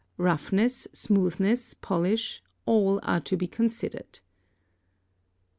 Roughness, smoothness, polish, all are to be considered. 875.